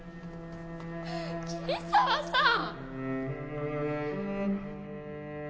桐沢さん！